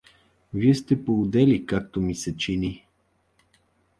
Вие сте полудели, както ми се чини!